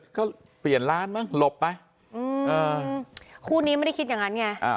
ก็เปลี่ยนร้านมั้งหลบไปคู่นี้ไม่ได้คิดอย่างนั้นไง